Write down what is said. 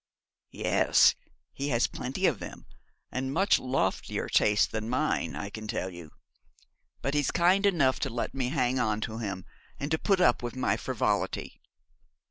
'Yes, he has, plenty of them, and much loftier tastes than mine, I can tell you. But he's kind enough to let me hang on to him, and to put up with my frivolity.